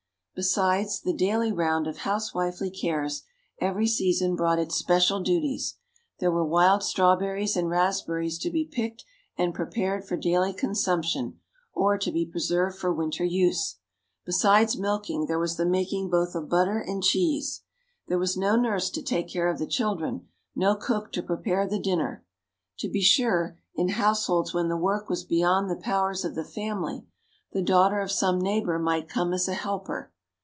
Besides the daily round of housewifely cares, every season brought its special duties. There were wild strawberries and raspberries to be picked and prepared for daily consumption, or to be preserved for winter use. Besides milking, there was the making both of butter and cheese. There was no nurse to take care of the children, no cook to prepare the dinner. To be sure, in households when the work was beyond the powers of the family, the daughter of some neighbour might come as a helper.